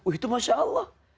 itu masya allah